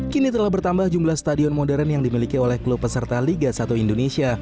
kini telah bertambah jumlah stadion modern yang dimiliki oleh klub peserta liga satu indonesia